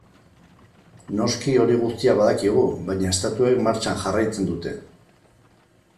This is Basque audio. Noski hori guztia badakigu, baina estatuek martxan jarraitzen dute.